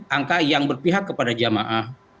angka yang berpihak kepada jamaah